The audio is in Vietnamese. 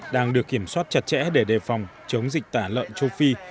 đang được kiểm soát chặt chẽ để đề phòng chống dịch tả lợn châu phi